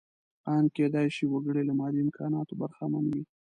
ان کېدای شي وګړی له مادي امکاناتو برخمن وي.